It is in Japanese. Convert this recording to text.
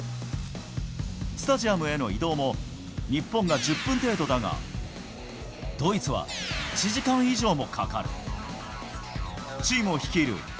スタジアムへの移動も、日本が１０分程度だが、ドイツは１時間以上もかかる。